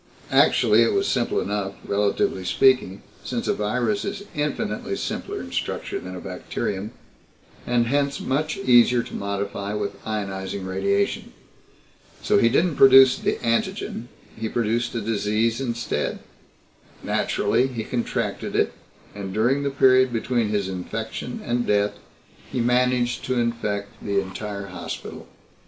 Actually, it was simple enough, relatively speaking, since a virus is infinitely simpler in structure than a bacterium, and hence much easier to modify with ionizing radiation. So he didn't produce an antigen he produced a disease instead. Naturally, he contracted it, and during the period between his infection and death he managed to infect the entire hospital.